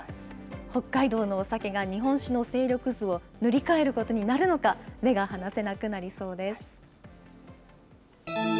北海道のお酒が、日本酒の勢力図を塗り替えることになるのか、目では次です。